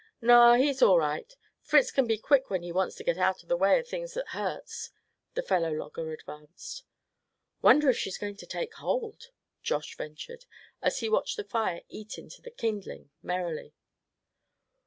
"Naw, he's all right; Fritz kin be quick when he wants to get out o' the way o' things that hurts," the fellow logger advanced. "Wonder if she's going to take hold?" Josh ventured, as he watched the fire eat into the kindling merrily.